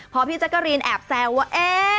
พอพี่จักรีนแอบแสวว่าเอ๊